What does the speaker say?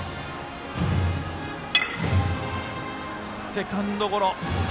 セカンドゴロ。